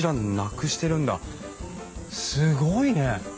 すごいね！